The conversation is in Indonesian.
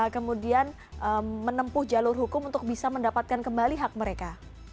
kemudian menempuh jalur hukum untuk bisa mendapatkan kembali hak mereka